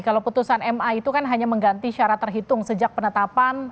kalau putusan ma itu kan hanya mengganti syarat terhitung sejak penetapan